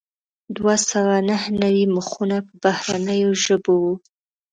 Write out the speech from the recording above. دوه سوه نهه نوي مخونه په بهرنیو ژبو وو.